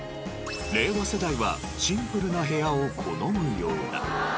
令和世代はシンプルな部屋を好むようだ。